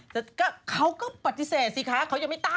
แต่เขาก็ปฏิเสธสิคะเขายังไม่ตั้ง